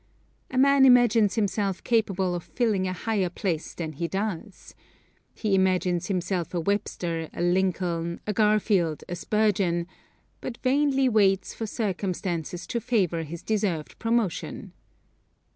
A man imagines himself capable of filling a higher place than he does. He imagines himself a Webster, a Lincoln, a Garfield, a Spurgeon 'but vainly waits for circumstances to favor his deserved promotion.